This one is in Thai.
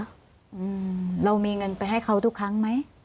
อืมเรามีเงินไปให้เขาทุกครั้งไหม